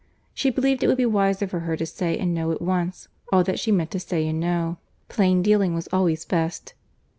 —She believed it would be wiser for her to say and know at once, all that she meant to say and know. Plain dealing was always best.